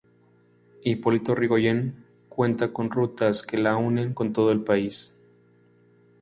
Hipólito Yrigoyen, cuenta con rutas que la unen con todo el país.